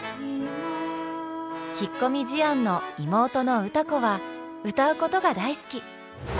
引っ込み思案の妹の歌子は歌うことが大好き。